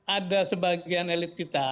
ada sebagian elit kita